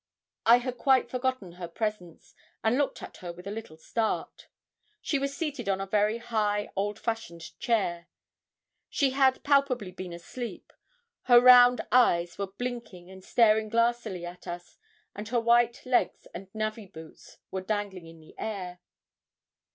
I had quite forgotten her presence, and looked at her with a little start. She was seated on a very high old fashioned chair; she had palpably been asleep; her round eyes were blinking and staring glassily at us; and her white legs and navvy boots were dangling in the air.